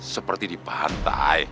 seperti di pantai